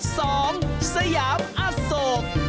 สองสยามอโศก